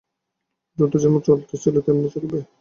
যুদ্ধ যেমন চলিতেছিল তেমনই চলিবে।